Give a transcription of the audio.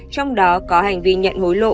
trong đó có hành vi nhận hối lộ